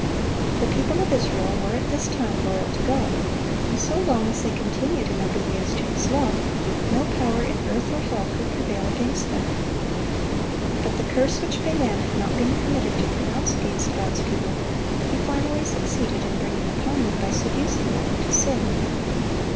(929) The people of Israel were at this time loyal to God; and so long as they continued in obedience to His law, no power in earth or hell could prevail against them. But the curse which Balaam had not been permitted to pronounce against God's people, he finally succeeded in bringing upon them by seducing them into sin.